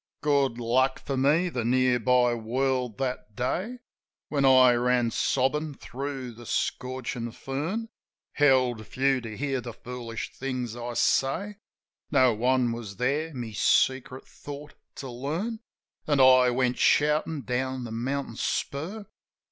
Good luck for me, the near by world that day. When I ran sobbin' thro' the scorchin' fern. Held few to hear the foolish things I say: No one was there my secret thought to learn. As I went shoutin' down the mountain spur.